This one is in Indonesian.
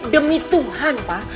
demi tuhan pa